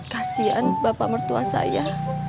kasian bapak mertua saya